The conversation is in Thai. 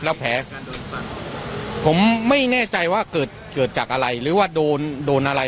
แล้วแผลโดนฟันผมไม่แน่ใจว่าเกิดเกิดจากอะไรหรือว่าโดนโดนอะไร